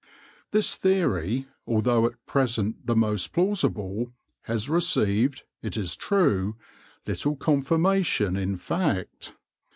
This theory, although at present the most plau sible, has received, it is true, little confirmation in fact.